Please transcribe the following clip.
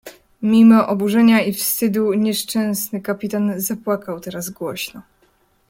"Mimo oburzenia i wstydu nieszczęsny kapitan zapłakał teraz głośno."